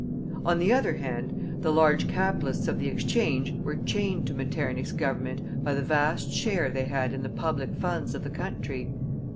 On the other hand, the large capitalists of the Exchange were chained to Metternich's Government by the vast share they had in the public funds of the country.